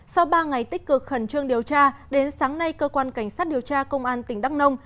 sau ba ngày tích cực khẩn trương điều tra đến sáng nay cơ quan cảnh sát điều tra công an tỉnh đắk nông